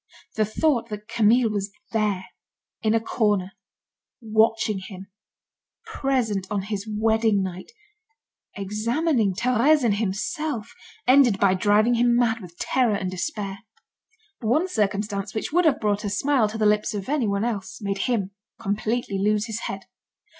The thought that Camille was there, in a corner, watching him, present on his wedding night, examining Thérèse and himself, ended by driving him mad with terror and despair. One circumstance, which would have brought a smile to the lips of anyone else, made him completely lose his head.